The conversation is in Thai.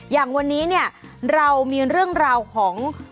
อย่างวันนี้เนี่ยเรามีเรื่องราวของ